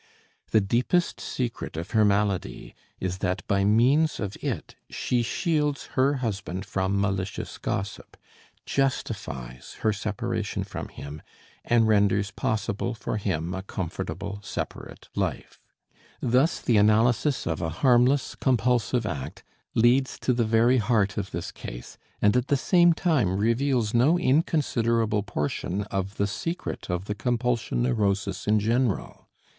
The deepest secret of her malady is that by means of it she shields her husband from malicious gossip, justifies her separation from him, and renders possible for him a comfortable separate life. Thus the analysis of a harmless compulsive act leads to the very heart of this case and at the same time reveals no inconsiderable portion of the secret of the compulsion neurosis in general.